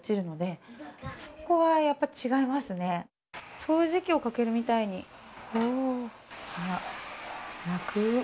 掃除機をかけるみたいに楽。